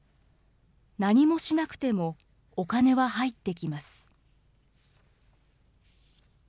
何もしなくてもお金は入ってきます。